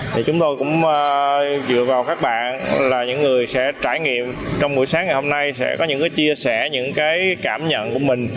thì chúng tôi cũng dựa vào các bạn là những người sẽ trải nghiệm trong buổi sáng ngày hôm nay sẽ có những cái chia sẻ những cái cảm nhận của mình